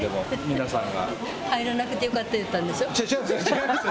違います